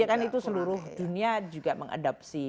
ya kan itu seluruh dunia juga mengadopsi